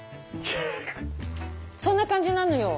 そんな感じなのよ。